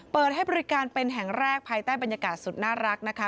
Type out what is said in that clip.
เปิดให้บริการเป็นแห่งแรกภายใต้บรรยากาศสุดน่ารักนะคะ